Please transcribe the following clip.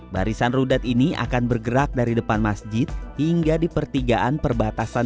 barisan rudat ini akan bergerak dari depan masjid hingga di pertigaan perbatasan